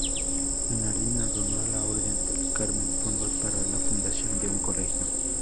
Bernardina donó a la Orden del Carmen fondos para la fundación de un colegio.